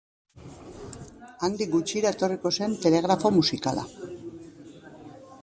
Handik gutxira etorriko zen telegrafo musikala.